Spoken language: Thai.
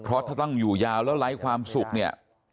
เพราะถ้าต้องอยู่ยาวแล้วไร้ความสุขเนี่ย